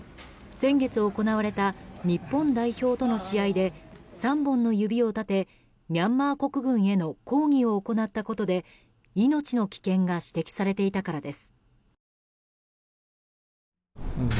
先月行われた日本代表との試合で３本の指を立てミャンマー国軍への抗議を行ったことで命の危険が指摘されていたからです。